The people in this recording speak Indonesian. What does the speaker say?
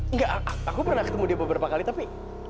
enggak aku pernah ketemu dia beberapa kali tapi